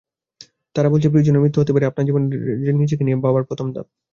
তারা বলছে, প্রিয়জনের মৃত্যু হতে পারে আপনার নিজেকে নিয়ে ভাবার প্রথম ধাপ।